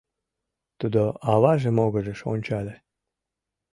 Тудо аваже могырыш ончале.